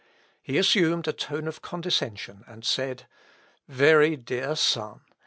He assumed a tone of condescension, and said: "Very dear son!